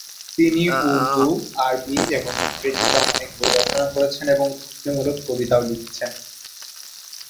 তিনি উর্দু, আরবি এবং ইংরেজিতে অনেক বই রচনা করেছেন এবং ভক্তিমূলক কবিতাও লিখেছেন।